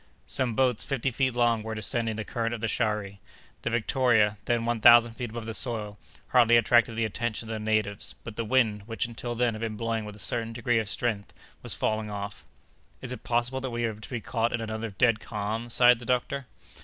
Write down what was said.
Some boats, fifty feet long, were descending the current of the Shari. The Victoria, then one thousand feet above the soil, hardly attracted the attention of the natives; but the wind, which until then had been blowing with a certain degree of strength, was falling off. "Is it possible that we are to be caught in another dead calm?" sighed the doctor.